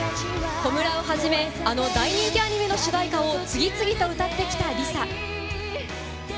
『炎』をはじめ、あの大人気アニメの主題歌を次々と歌ってきたＬｉＳＡ。